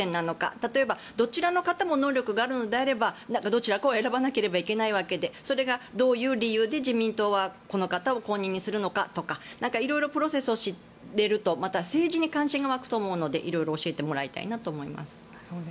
例えば、どちらの方も能力があるのであればどちらかを選ばなければいけないわけでそれがどういう理由で自民党はこの方を公認にするのかとか色々プロセスを知れるとまた政治に関心が湧くと思うので色々教えてもらいたいなと思います。